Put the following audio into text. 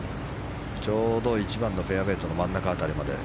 ちょうど１番のフェアウェーとの真ん中辺りまで。